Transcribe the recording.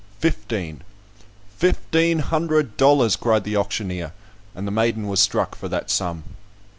"Fifteen." "Fifteen hundred dollars," cried the auctioneer, and the maiden was struck for that sum.